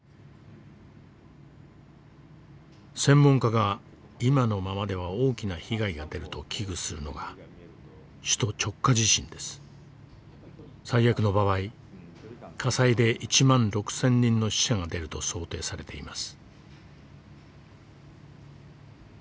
専門家が今のままでは大きな被害が出ると危惧するのが最悪の場合火災で１万６，０００人の死者が出ると想定されています。